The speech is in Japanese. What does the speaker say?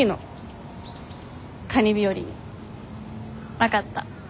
分かった。